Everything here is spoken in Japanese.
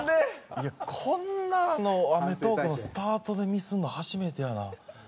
いやこんな『アメトーーク』のスタートでミスるの初めてやな。